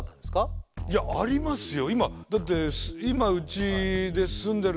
いやありますよ。